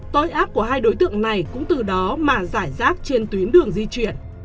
tối áp của hai đối tượng này cũng từ đó mà giải rác trên tuyến đường di chuyển